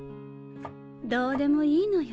どうでもいいのよ。